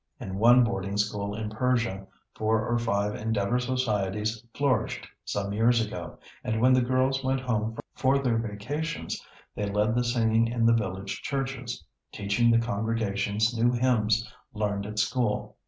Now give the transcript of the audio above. In one boarding school in Persia, four or five Endeavor Societies flourished some years ago, and, when the girls went home for their vacations, they led the singing in the village churches, teaching the congregations new hymns learned at school.